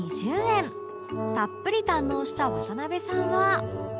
たっぷり堪能した渡辺さんは